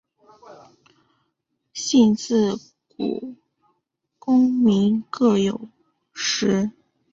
信自古功名各有时。